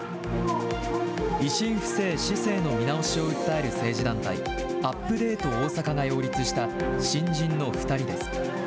維新府政・市政の見直しを訴える政治団体、アップデートおおさかが擁立した新人の２人です。